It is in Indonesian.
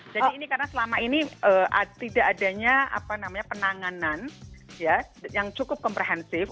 jadi ini karena selama ini tidak adanya penanganan yang cukup komprehensif